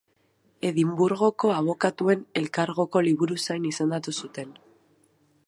Edinburgoko abokatuen elkargoko liburuzain izendatu zuten.